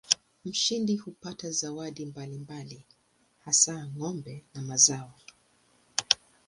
Mshindi hupata zawadi mbalimbali hasa ng'ombe na mazao.